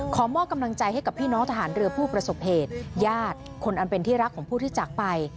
มอบกำลังใจให้กับพี่น้องทหารเรือผู้ประสบเหตุญาติคนอันเป็นที่รักของผู้ที่จากไป